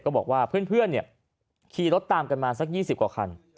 บอกว่าเพื่อนขี่รถตามกันมาสัก๒๐กว่าคัน